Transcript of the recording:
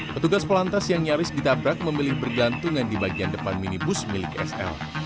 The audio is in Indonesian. petugas polantas yang nyaris ditabrak memilih bergantungan di bagian depan minibus milik sl